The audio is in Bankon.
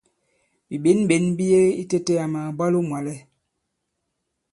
Bìɓěnɓěn bi yege itēte àmà màbwalo mwàlɛ.